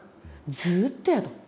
ずっとやど。